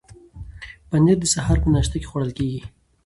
پنیر د سهار په ناشته کې خوړل کیږي.